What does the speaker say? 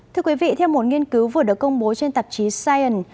thưa quý vị theo một nghiên cứu vừa được công bố trên tạp chí sion